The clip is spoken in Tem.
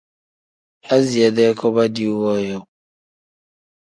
Aziya-dee koba diiwu woodoo.